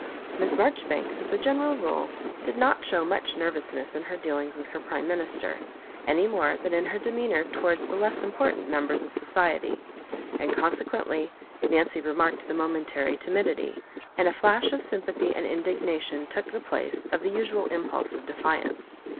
Miss Maijoribanks, as a general rule, did not show much nervousness in her dealings with her prime minister, any more than in her de meanour towards the less important members of society ; and consequently Nanpy remarked the momentary timidity, and a flash of sym pathy and indignation took the place of the usual impulse of defiance.